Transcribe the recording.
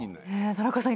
田中さん